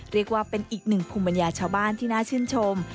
เรียกว่าเป็นอีกหนึ่งภูมิปัญญาชาวบ้านที่น่าชื่นชม